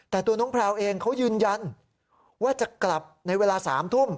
แต่ตัวน้องแพลวเองเขายืนยันว่าจะกลับในเวลา๓ทุ่ม